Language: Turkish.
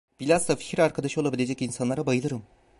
Bilhassa fikir arkadaşı olabilecek insanlara bayılırım.